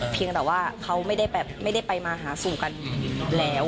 เพียงแต่ว่าเขาไม่ได้ไปมาหาสู่กันแล้ว